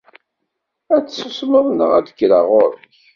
ad tessusmeḍ neɣ ad d-kreɣ ɣur-k!